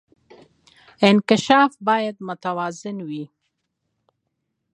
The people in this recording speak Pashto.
انکشاف باید متوازن وي